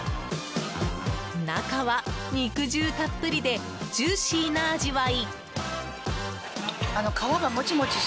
中は肉汁たっぷりでジューシーな味わい。